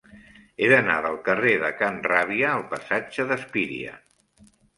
He d'anar del carrer de Can Ràbia al passatge d'Espíria.